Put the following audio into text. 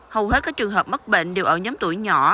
hầu hết các trường hợp mắc bệnh đều ở nhóm tuổi nhỏ